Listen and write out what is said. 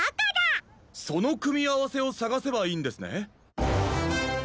そのくみあわせをさがせばいいんですね。